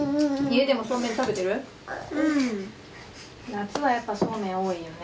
夏はやっぱそうめん多いよね。